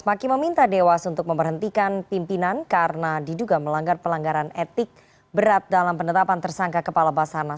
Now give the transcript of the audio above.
maki meminta dewas untuk memberhentikan pimpinan karena diduga melanggar pelanggaran etik berat dalam penetapan tersangka kepala basarnas